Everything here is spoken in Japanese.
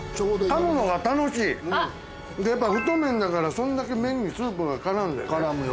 でやっぱ太麺だからそんだけ麺にスープが絡んで。